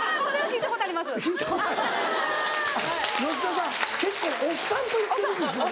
聞いたことあっ吉田さん結構おっさんと行ってるんですね。